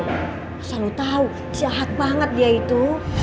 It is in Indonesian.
masa lo tau jahat banget dia itu